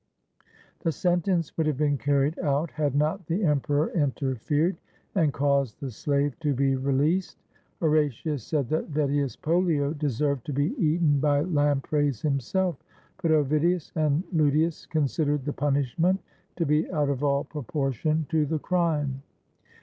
The sentence would have been carried out had not the emperor interfered and caused the slave to be released. Horatius said that Vedius PolHo deserved to be eaten by lampreys himself, but Ovidius and Ludius considered the punishment to be out of all proportion to the crime.